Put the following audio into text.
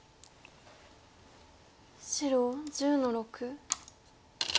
白１０の六。